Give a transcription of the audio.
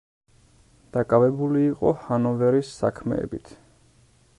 დაკავებული იყო ჰანოვერის საქმეებით.